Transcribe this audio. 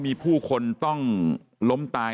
มีผู้คนต้องล้มตาย